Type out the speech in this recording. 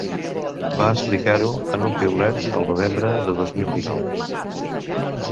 Va explicar-ho en un piulet, el novembre del dos mil dinou.